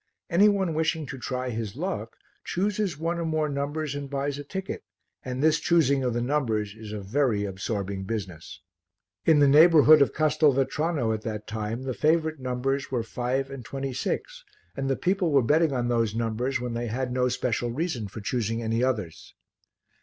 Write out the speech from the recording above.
Any one wishing to try his luck chooses one or more numbers and buys a ticket and this choosing of the numbers is a very absorbing business. In the neighbourhood of Castelvetrano at that time the favourite numbers were five and twenty six and the people were betting on those numbers when they had no special reason for choosing any others.